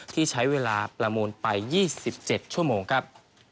ที่ใช้เวลาประมูลไป๒๗ชั่วโมงครับ